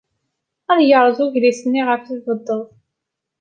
Ad yerreẓ ugris-nni iɣef tbeddeḍ.